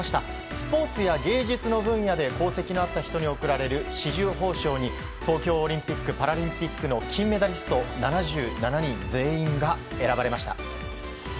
スポーツや芸術の分野で功績があった人に贈られる紫綬褒章に東京オリンピック・パラリンピックの金メダリスト７７人全員が選ばれました。